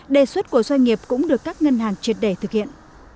đề xuất của doanh nghiệp cũng được các ngân hàng triệt đề thực hiện